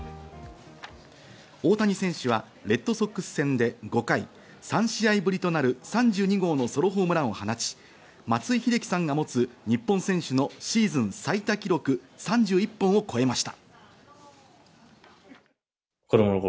大谷選手はレッドソックス戦で５回、３試合ぶりとなる３２号のソロホームランを放ち、松井秀喜さんが持つ日本選手のシーズン最多記録３１本を超えました。